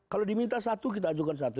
kalau diminta satu kita ajukan satu